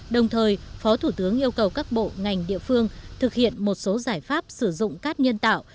đồng thời phó thủ tướng yêu cầu các bộ ngành địa phương thực hiện một số giải pháp sử dụng cát nhân tạo